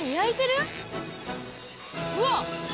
うわっ！